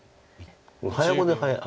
早碁で早い。